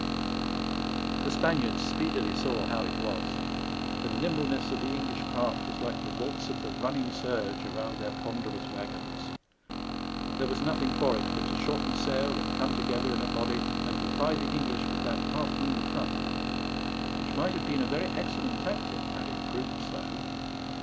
The Spaniards speedily saw how it was. The nimbleness of the English craft was like the waltz of the running surge around their ponderous waggons; there was nothing for it but to shorten sail and come together in a body and defy the English with that half moon front, which might have been a very excellent SPANISH ARMADA. 805 taotiCi had it proved so.